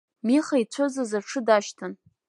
Миха ицәыӡыз аҽы дашьҭан.